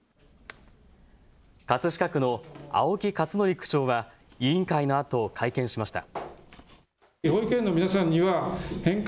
葛飾区の青木克徳区長は委員会のあと会見しました。